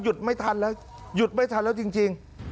ไม่ทันแล้วหยุดไม่ทันแล้วจริง